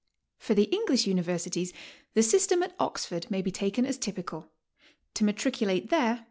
For the English universities the system at Oxford may be taken as typical. To matriculate there, i.